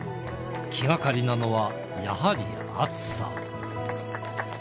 気がかりなのは、やはり暑さ。